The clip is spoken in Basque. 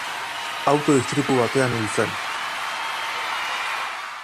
Auto istripu batean hil zen.